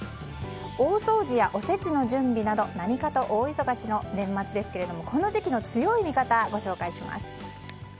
大掃除やおせちの準備など何かと大忙しの年末ですけれどもこの時期の強い味方をご紹介します。